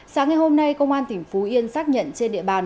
sáng ngày hôm nay công an tỉnh phú yên xác nhận trên địa bàn